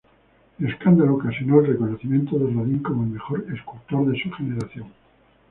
El escándalo ocasionó el reconocimiento de Rodin como el mejor escultor de su generación.